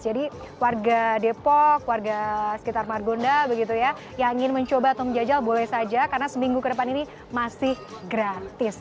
jadi warga depok warga sekitar margonda yang ingin mencoba atau menjajal boleh saja karena seminggu ke depan ini masih gratis